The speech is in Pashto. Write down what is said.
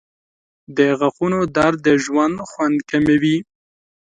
• د غاښونو درد د ژوند خوند کموي.